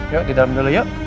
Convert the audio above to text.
yuk di dalam dulu yuk